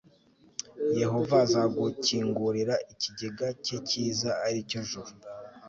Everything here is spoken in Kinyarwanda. yehova azagukingurira ikigega cye cyiza, ari cyo juru